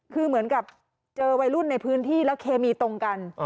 คือเหมือนกับเจอวัยรุ่นในพื้นที่แล้วเคมีตรงกัน